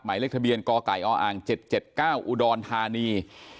เลขทะเบียนกไก่ออ๗๗๙อุดรธานี